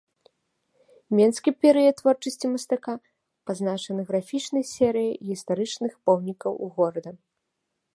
Менскі перыяд творчасці мастака пазначаны графічнай серыяй гістарычных помнікаў горада.